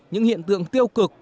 những hiện tượng tiêu cực